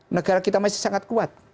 negara kita masih sangat kuat